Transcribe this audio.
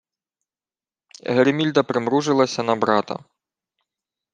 Гримільда примружилася на брата: